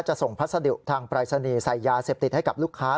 ส่งพัสดุทางปรายศนีย์ใส่ยาเสพติดให้กับลูกค้า